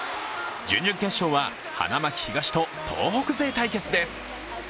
準々決勝は花巻東と東北勢対決です。